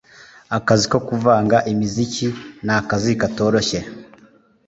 akazi ko kuvanga imiziki n’akazi katoroshye,